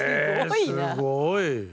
すごいな。